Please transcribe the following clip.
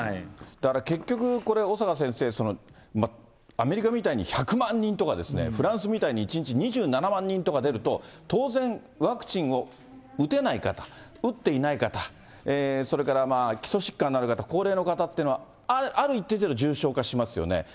だから結局、これ小坂先生、アメリカみたいに、１００万人とか、フランスみたいに１日２７万人とか出ると、当然、ワクチンを打てない方、打っていない方、それから基礎疾患のある方、高齢の方っていうのは、ある一定程度、重症化しますよね。